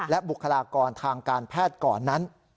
และบุคลากรทางการแพทย์ก่อนนั้น